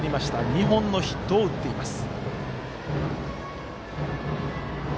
２本のヒットを打っています。